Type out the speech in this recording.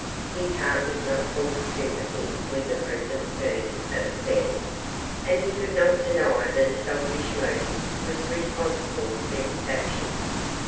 His heart was not in full sympathy with the present turn of affairs, and he could not deny that a selfish motive was responsible for his action.